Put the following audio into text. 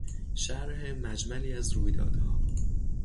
شرح مجملی از رویدادها